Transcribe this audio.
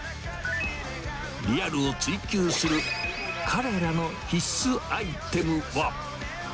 リアルを追求する彼らの必須アイテムは。